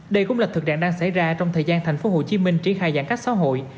đây cũng là thực trạng đang xảy ra trong thời gian tp hcm triển khai giãn cách xã hội